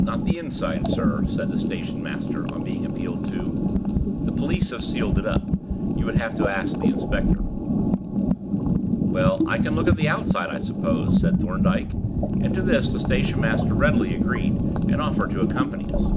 "Not the inside, sir," said the station master, on being appealed to. "The police have sealed it up. You would have to ask the inspector." "Well, I can have a look at the outside, I suppose?" said Thorndyke, and to this the station master readily agreed, and offered to accompany us.